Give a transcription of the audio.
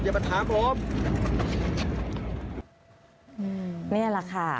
อื้อนี่แหละค่ะ